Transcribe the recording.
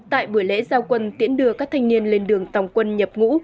tại buổi lễ giao quân tiễn đưa các thanh niên lên đường tòng quân nhập ngũ